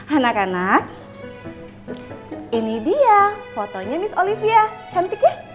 anak anak ini dia fotonya nis olivia cantik ya